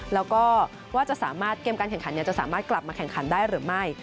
แล้วก็ว่าจะสามารถเกมการแข่งขันจะสามารถกลับมาแข่งขันได้หรือไม่